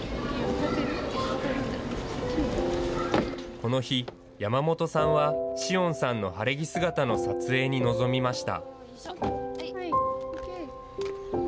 この日、山本さんは、紫桜さんの晴れ着姿の撮影に臨みました。